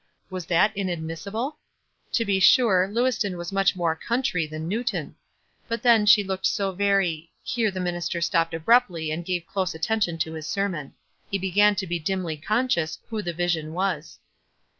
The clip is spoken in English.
Was that inad missible? To be sure, Lewiston was much more "country" than Newton. Bat then she looked so very — here the minister stopped abruptly and gave close attention to his sermon. He began to be dimly conscious who the vision was.